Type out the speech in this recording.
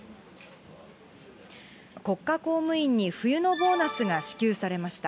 国家公務員に冬のボーナスが支給されました。